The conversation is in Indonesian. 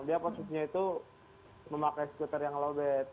dia posisinya itu memakai skuter yang lobet